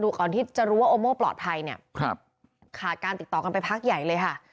ก่อนที่จะรู้ว่าโอโม่ปลอดภัยเนี่ยครับขาดการติดต่อกันไปพักใหญ่เลยค่ะ